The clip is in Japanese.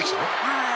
「はい」